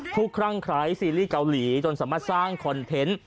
ครั่งคล้ายซีรีส์เกาหลีจนสามารถสร้างคอนเทนต์